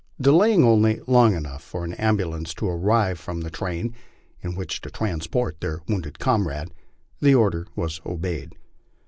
Delaying only long enough for an ambulance to arrive from the train in which to transport their wounded comrade, the order was obeyed.